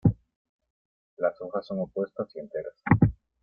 Las hojas son opuestas y enteras.